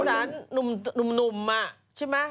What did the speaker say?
สารหนุ่มอะใช่มั้ย